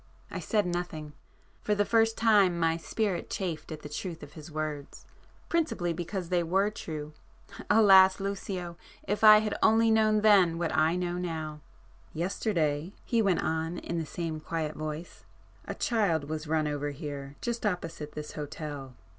I said nothing,—for the first time my spirit chafed at the truth of his words, principally because they were true. [p 78] Alas, Lucio!—if I had only known then what I know now! "Yesterday," he went on in the same quiet voice—"a child was run over here, just opposite this hotel.